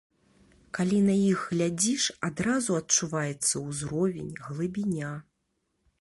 Калі на іх глядзіш, адразу адчуваецца ўзровень, глыбіня.